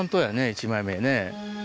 １枚目やね。